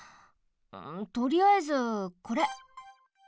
とりあえずこれ。